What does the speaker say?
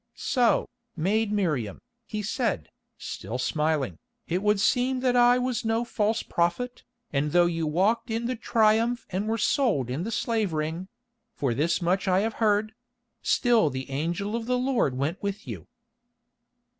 "So, maid Miriam," he said, still smiling, "it would seem that I was no false prophet, and though you walked in the Triumph and were sold in the slave ring—for this much I have heard—still the Angel of the Lord went with you."